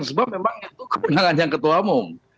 sebab memang itu kemenangan yang ketua umum